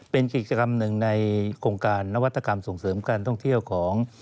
เป็นกิจกรรมหนึ่งในโครงการนวัตกรรมส่งเสริมการท่องเที่ยวของ